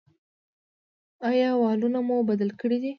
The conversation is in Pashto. ایا والونه مو بدل کړي دي؟